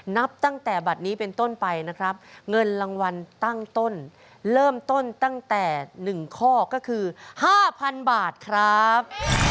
นับตั้งแต่บัตรนี้เป็นต้นไปนะครับเงินรางวัลตั้งต้นเริ่มต้นตั้งแต่๑ข้อก็คือ๕๐๐๐บาทครับ